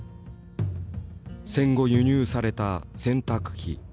戦後輸入された洗濯機。